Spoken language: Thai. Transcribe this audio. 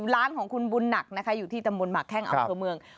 ร้านของคุณบุญหนักนะคะอยู่ที่ตำบลหมากแข้งอำเภอเมือง